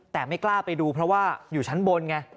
แต่ไม่กล้าไปดูเพราะว่าอยู่ชั้นบนไง